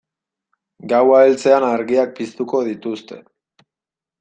Gaua heltzean argiak piztuko dituzte.